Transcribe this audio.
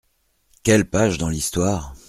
Quelle page dans l’histoire !…